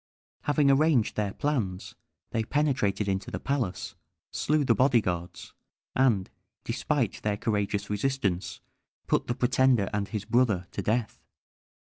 Having arranged their plans, they penetrated into the palace, slew the body guards, and, despite their courageous resistance, put the pretender and his brother to death.